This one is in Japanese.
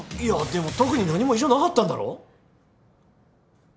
いやでも特に何も異常なかったんだろう？